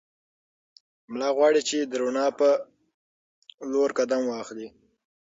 ملا غواړي چې د رڼا په لور قدم واخلي.